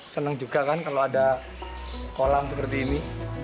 senang juga kan kalau ada kolam seperti ini